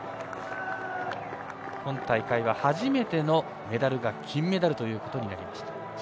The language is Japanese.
今大会は初めてのメダルが金メダルとなりました。